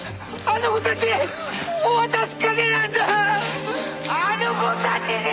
あの子たちに！